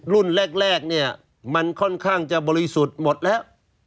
รุ่นแรกเนี่ยมันค่อนข้างจะบริสุทธิ์หมดแล้ว